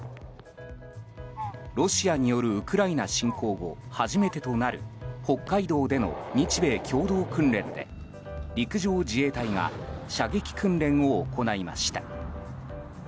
ロシアによるウクライナ侵攻後、初めてとなる北海道での日米共同訓練で陸上自衛隊が射撃訓練を行いました。